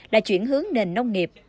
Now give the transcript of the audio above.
là chuyển hướng nền nông nghiệp